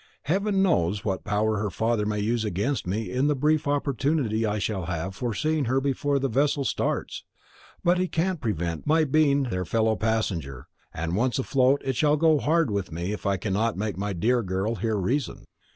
Heaven knows what power her father may use against me in the brief opportunity I shall have for seeing her before the vessel starts; but he can't prevent my being their fellow passenger, and once afloat it shall go hard with me if I cannot make my dear girl hear reason.